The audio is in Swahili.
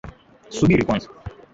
Subiri kwanza